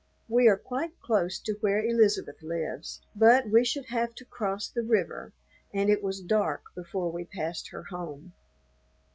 We are quite close to where Elizabeth lives, but we should have to cross the river, and it was dark before we passed her home.